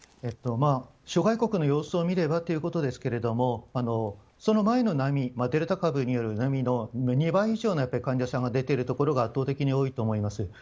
諸外国の様子を見ればということですがその前の波、デルタ株による波の２倍以上の患者さんが出ているところが圧倒的に多いと思います。